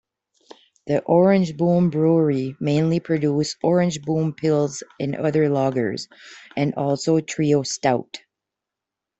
The Oranjeboom brewery mainly produced Oranjeboom pils and other lagers, and also Trio Stout.